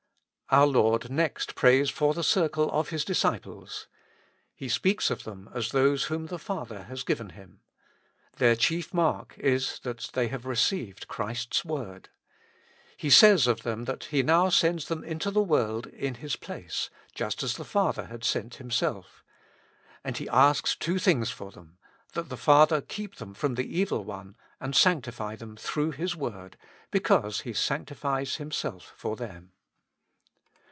Our Lord next prays for the circle of His disciples. He speaks of them as those whom the Father has given Him. Their chief mark is that they have re ceived Christ's word. He says of them that He now sends them into the world in His place, just as the Father had sent Himself. And He asks two things for them : that the Father keep them from the evil one, and sanctify them through His Word, because He sanctifies Himself for them.